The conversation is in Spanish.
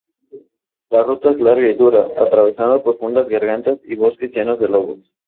La ruta es larga y dura, atravesando profundas gargantas y bosques llenos de lobos.